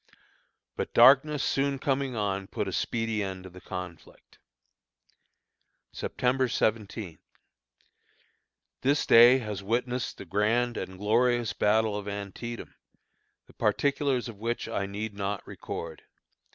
But darkness soon coming on put a speedy end to the conflict. September 17. This day has witnessed the grand and glorious battle of Antietam, the particulars of which I need not record.